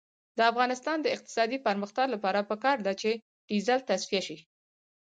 د افغانستان د اقتصادي پرمختګ لپاره پکار ده چې ډیزل تصفیه شي.